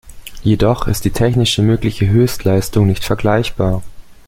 Jedoch ist die technisch mögliche Höchstleistung nicht vergleichbar.